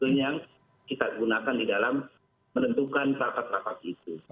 pada situ yang kita gunakan di dalam menentukan prapat prapat itu